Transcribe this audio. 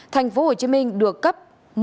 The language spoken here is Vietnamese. thành phố hồ chí minh được cấp